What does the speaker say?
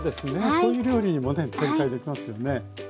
そういう料理にもね展開できますよね。